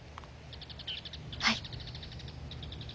はい。